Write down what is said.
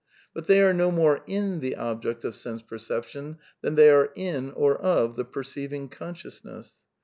But they are no more " in ^^^S^^^ the object of sense perception than they are " in " or " of ''"^^ the perceiving consciousness.